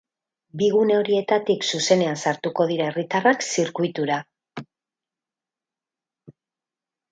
Bi gune horietatik zuzenean sartuko dira herritarrak zirkuitura.